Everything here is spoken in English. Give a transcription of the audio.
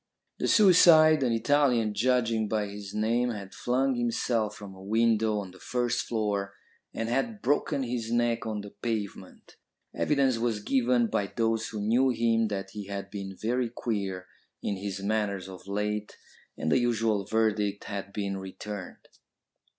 The suicide, an Italian judging by his name, had flung himself from a window on the first floor, and had broken his neck on the pavement. Evidence was given by those who knew him that he had been very queer in his manners of late, and the usual verdict had been returned.